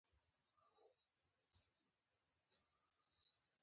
احساس کاوه یو ساعت یا نیمه ورځ ویده شوي.